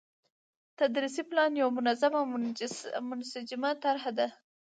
تدريسي پلان يو منظم او منسجمه طرحه ده،